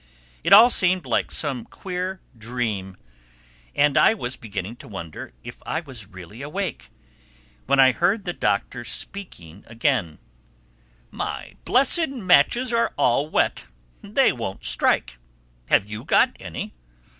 It all seemed like some queer dream; and I was beginning to wonder if I was really awake, when I heard the Doctor speaking again: "My blessed matches are all wet. They won't strike. Have you got any?"